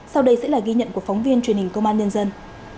sau đây sẽ là ghi nhận của phóng viên truyền hình công an nhân dân